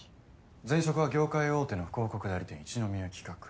前職は業界大手の広告代理店一之宮企画。